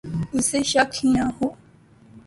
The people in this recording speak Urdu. اسے شک ہی نہ ہو